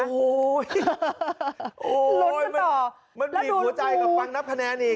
โอ้โหมันบีบหัวใจกับฟังนับคะแนนอีก